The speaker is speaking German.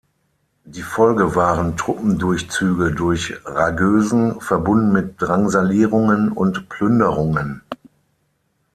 Die Folge waren Truppendurchzüge durch Ragösen, verbunden mit Drangsalierungen und Plünderungen.